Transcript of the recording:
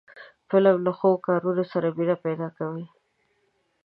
فلم له ښو کارونو سره مینه پیدا کوي